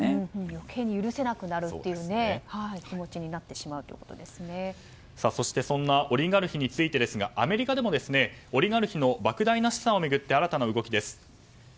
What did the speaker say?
余計に許せなくなるという気持ちにそんなオリガルヒについてアメリカでもオリガルヒの莫大な資産を巡って新たな動きです。